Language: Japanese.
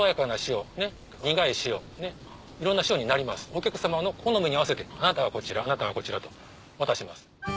お客さまの好みに合わせてあなたはこちらあなたはこちらと渡します。